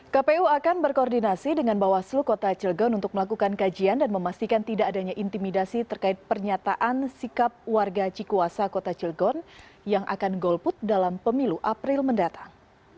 kpu akan berkoordinasi dengan bawaslu kota cilegon untuk melakukan kajian dan memastikan tidak adanya intimidasi terkait pernyataan sikap warga cikuasa kota cilgon yang akan golput dalam pemilu april mendatang